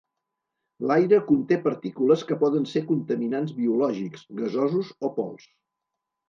L’aire conté partícules que poden ser contaminants biològics, gasosos o pols.